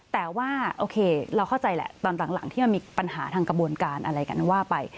แต่ว่าโอเคเราเข้าใจแหละตอนหลังที่มันมีปัญหาทางกระบวนการอะไรกันว่าไป